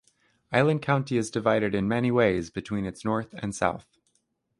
Island County is divided in many ways between its north and south.